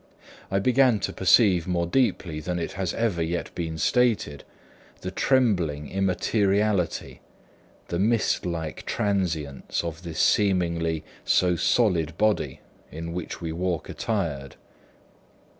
I began to perceive more deeply than it has ever yet been stated, the trembling immateriality, the mistlike transience, of this seemingly so solid body in which we walk attired.